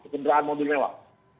kendaraan mobil mewah